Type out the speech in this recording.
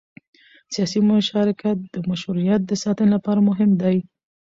سیاسي مشارکت د مشروعیت د ساتنې لپاره مهم دی